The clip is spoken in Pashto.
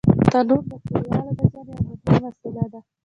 تنور د کلیوالو د ژوند یو مهم وسیله ده